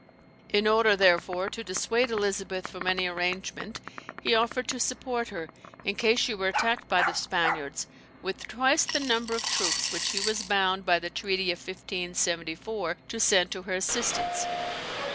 In order, therefore, to dissuade Elizabeth from any arrangement, he offered to support her, in case she were attacked by the Spaniards, with twice the number of troops, which he was bound by the treaty of 1574 to send to her assistance.